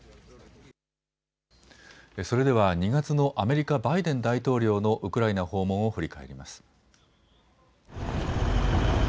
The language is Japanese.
それでは２月のアメリカバイデン大統領のウクライナ訪問を振り返ります。